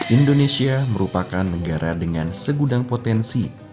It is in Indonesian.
indonesia merupakan negara dengan segudang potensi